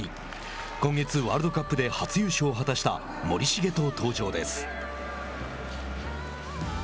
今月、ワールドカップで初優勝を果たした森重と登場です。